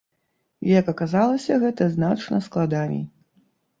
Як аказалася, гэта значна складаней.